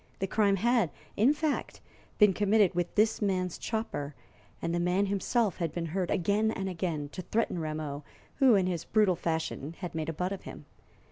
The crime had, in fact, been committed with this man's chopper, and the man himself had been heard, again and again, to threaten Rameau, who, in his brutal fashion, had made a butt of him.